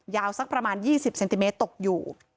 สักประมาณ๒๐เซนติเมตรตกอยู่